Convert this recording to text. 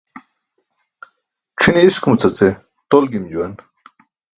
C̣ʰine iskumuca ce tol gim juwan.